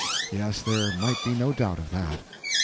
Yes, there might be no doubt of that.